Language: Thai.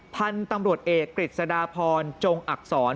ท่านตำรวจเอกกริจสดาพรจงอักษร